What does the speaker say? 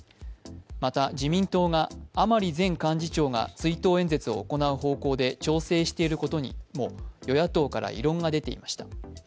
また、自民党が、甘利前幹事長が追悼演説を行う方向調査していることにも与野党から異論が出ていました。